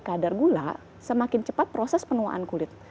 kadar gula semakin cepat proses penuaan kulit